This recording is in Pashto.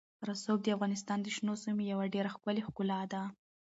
رسوب د افغانستان د شنو سیمو یوه ډېره ښکلې ښکلا ده.